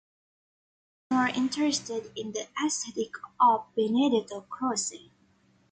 He was more interested in the aesthetics of Benedetto Croce.